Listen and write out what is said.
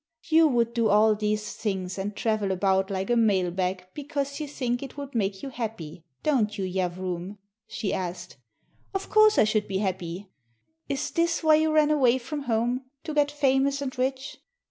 "You would do all these things and travel about like a mail bag because you think it would make you happy, don't you, yavroum?" she asked. "Of course, I should be happy," "Is this why you ran away from home — to get famous and rich?"